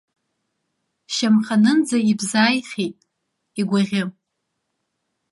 Шьамханынӡа ибзааихьеит, игәаӷьы!